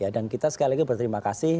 dan kita sekali lagi berterima kasih